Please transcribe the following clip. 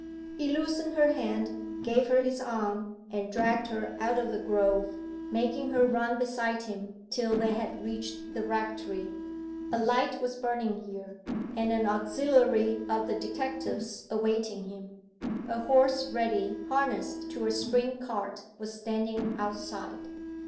He loosened her hand, gave her his arm, and dragged her out of the grove making her run beside him till they had reached the rectory. A light was burning here, and an auxiliary of the detective's awaiting him: a horse ready harnessed to a spring cart was standing outside.